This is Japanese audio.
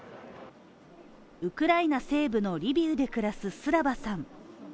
ウクライナ西部のリビウで暮らすスラバさん。